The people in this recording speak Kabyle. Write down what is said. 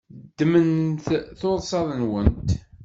Ddmemt tursaḍ-nwent.